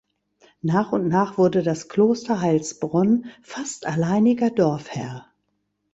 Nach und nach wurde das Kloster Heilsbronn fast alleiniger Dorfherr.